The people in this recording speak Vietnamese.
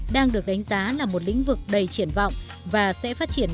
đang được đánh giá là một năm triệu usd đang được đánh giá là một năm triệu usd